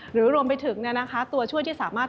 หรือรวมไปถึงตัวช่วยที่สามารถ